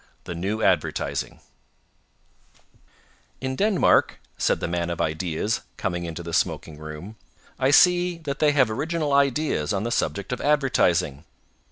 _" THE NEW ADVERTISING "In Denmark," said the man of ideas, coming into the smoking room, "I see that they have original ideas on the subject of advertising.